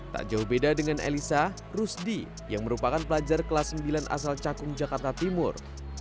tak jauh beda dengan elisa rusdi yang merupakan pelajar kelas sembilan asal cakung jakarta timur